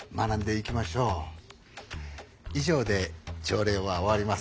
以上で朝礼は終わります。